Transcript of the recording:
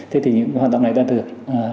thế thì những hoạt động này đã được